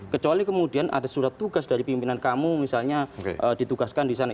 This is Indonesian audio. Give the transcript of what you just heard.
kecuali kemudian ada surat tugas dari pimpinan kamu misalnya ditugaskan di sana